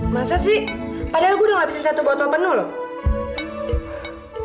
masa sih padahal gue udah ngabisin satu botol penuh loh